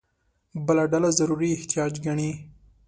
بله ډله ضروري احتیاج ګڼي.